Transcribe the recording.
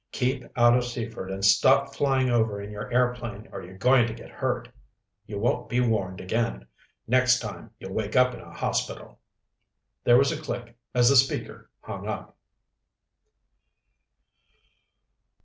Keep out of Seaford and stop flying over in your airplane or you're going to get hurt. You won't be warned again. Next time, you'll wake up in a hospital!" There was a click as the speaker hung up.